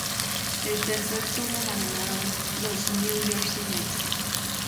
El tercer turno la ganaron los New Jersey Nets.